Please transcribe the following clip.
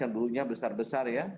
yang dulunya besar besar ya